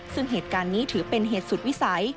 ซึ่งเหตุการณ์นี้ถือเป็นเหตุสุดวิสัย